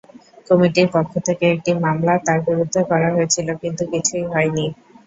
কমিটির পক্ষ থেকে একটি মামলা তার বিরুদ্ধে করা হয়েছিল, কিন্তু কিছুই হয়নি।